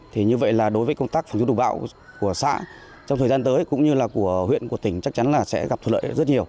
thì như vậy là đối với công tác phòng chống đủ bão của xã trong thời gian tới cũng như là của huyện của tỉnh chắc chắn là sẽ gặp thuận lợi rất nhiều